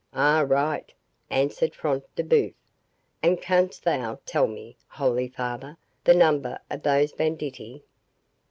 "Ay, right," answered Front de Bœuf; "and canst thou tell me, holy father, the number of those banditti?"